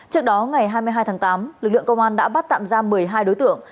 trước đó ngày hai mươi hai tháng tám lực lượng công an đã bắt tạm giam một mươi hai đối tượng